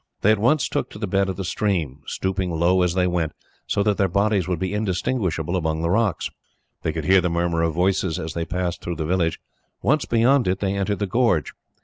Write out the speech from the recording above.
They at once took to the bed of the stream, stooping low as they went, so that their bodies would be indistinguishable among the rocks. They could hear the murmur of voices, as they passed through the village. Once beyond it, they entered the gorge.